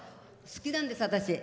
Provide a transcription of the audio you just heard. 好きなんです、私。